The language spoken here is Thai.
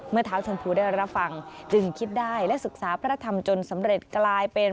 เท้าชมพูได้รับฟังจึงคิดได้และศึกษาพระธรรมจนสำเร็จกลายเป็น